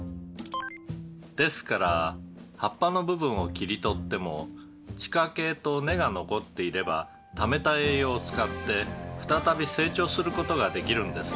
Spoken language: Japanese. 「ですから葉っぱの部分を切り取っても地下茎と根が残っていればためた栄養を使って再び成長する事ができるんですね」